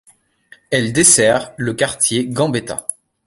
Elle dessert le quartier Gambetta.